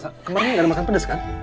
sa kemarin gak ada makan pedes kan